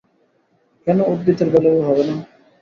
কেন উদ্ভিদের বেলায়ও হবে না?